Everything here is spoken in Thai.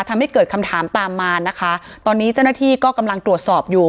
ทำให้เกิดคำถามตามมานะคะตอนนี้เจ้าหน้าที่ก็กำลังตรวจสอบอยู่